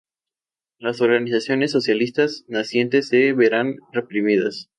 Las organizaciones socialistas nacientes se verán reprimidas.